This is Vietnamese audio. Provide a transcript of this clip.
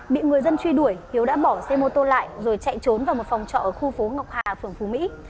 bị người dân truy đuổi hiếu đã bỏ xe mô tô lại rồi chạy trốn vào một phòng trọ ở khu phố ngọc hà phường phú mỹ